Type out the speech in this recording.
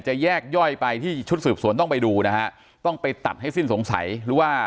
แยกย่อยไปที่ชุดสืบสวนต้องไปดูนะฮะต้องไปตัดให้สิ้นสงสัยหรือว่า